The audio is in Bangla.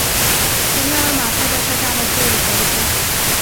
তুমি আমার মাথার ব্যথাটা আবার তৈরি কর তো।